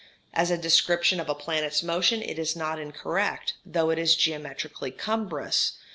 As a description of a planet's motion it is not incorrect, though it is geometrically cumbrous.